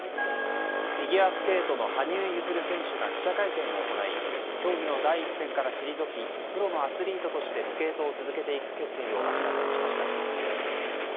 フィギュアスケートの羽生結弦選手が記者会見を行い競技の第一線から退きプロのアスリートとしてスケートを続けていく決意を明らかにしました。